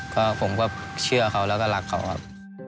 ก็ผมก็เชื่อเขาแล้วก็รักเขาครับ